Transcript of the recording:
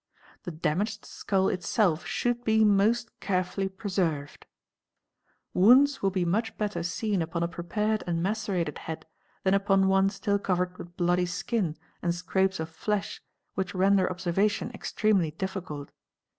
The damaged skull itself should be most carefully — preserved 2), Wounds will be much better seen upon a prepared and — macerated head than upon one still covered with bloody skin and scraps of flesh which render observation extremely difficult.